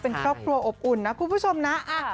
เป็นครอบครัวอบอุ่นนะคุณผู้ชมนะ